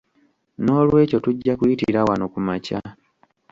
Noolwekyo tujja kuyitira wano ku makya.